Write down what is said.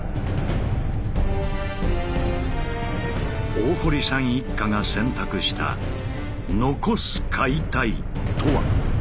大堀さん一家が選択した「残す解体」とは？